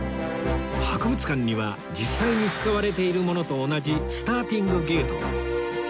博物館には実際に使われているものと同じスターティングゲートが